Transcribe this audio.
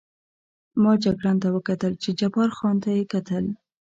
ما جګړن ته وکتل، چې جبار خان ته یې کتل.